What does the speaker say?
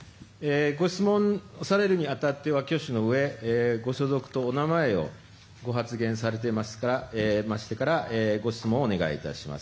ご質問されるに当たっては挙手のうえ、ご所属とお名前をご発言してからご質問をお願いいたします。